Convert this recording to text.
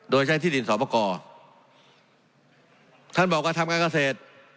โดยใช้ที่ดินสอบกรท่านบอกการทำการเกษตร